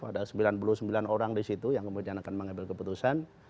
ada sembilan puluh sembilan orang di situ yang kemudian akan mengambil keputusan